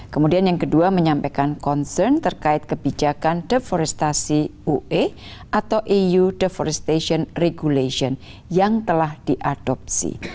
kemudian yang kedua menyampaikan concern terkait kebijakan deforestasi ue atau eu deforestation regulation yang telah diadopsi